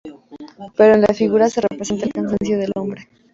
Pero en la figura se representa el cansancio del hombre.